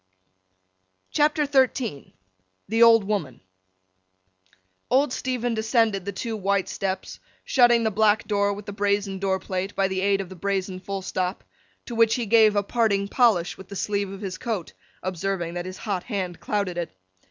CHAPTER XII THE OLD WOMAN OLD STEPHEN descended the two white steps, shutting the black door with the brazen door plate, by the aid of the brazen full stop, to which he gave a parting polish with the sleeve of his coat, observing that his hot hand clouded it.